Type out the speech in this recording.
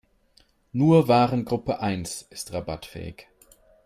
Nur Warengruppe eins ist rabattfähig.